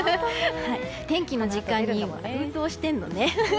天気の時間にも運動してるのね。